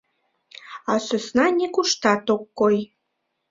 А сӧсна нигуштат ок кой.